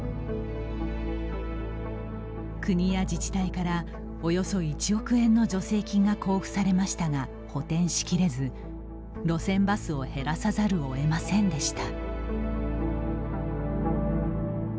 国や自治体から、およそ１億円の助成金が交付されましたが補てんしきれず、路線バスを減らさざるを得ませんでした。